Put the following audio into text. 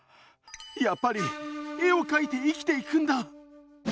やっぱり絵を描いて生きていくんだ！